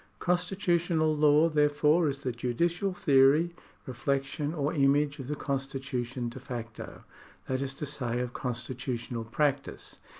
Constitutional law, therefore, is the judicial theory, reflec tion, or image of the constitution de facto, that is to say, of constitutional practice.